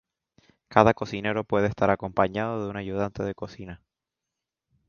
Cada cocinero puede estar acompañado de un ayudante de cocina.